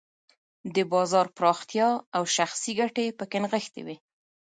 د بازار پراختیا او شخصي ګټې پکې نغښتې وې.